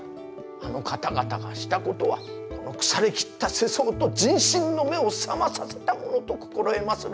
あの方々がしたことはこの腐れ切った世相と人心の目を覚まさせたものと心得まする。